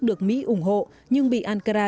được mỹ ủng hộ nhưng bị ankara